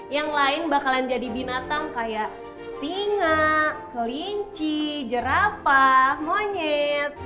yang lain bakalan jadi binatang kayak singa kelinci jerapah monyet